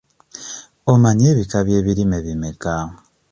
Omanyi ebika by'ebirime bimeka?